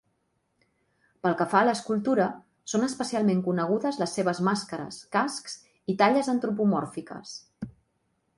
Pel que fa a l'escultura, són especialment conegudes les seves màscares, cascs i talles antropomòrfiques.